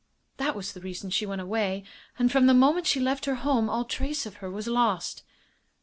That was the reason she went away. And from the moment she left her home all trace of her was lost."